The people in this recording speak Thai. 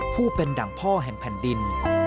ผู้เป็นดั่งพ่อแห่งแผ่นดิน